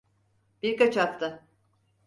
Birkaç hafta.